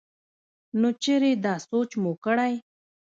نو چرې دا سوچ مو کړے